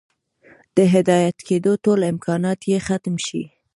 د هدايت كېدو ټول امكانات ئې ختم شي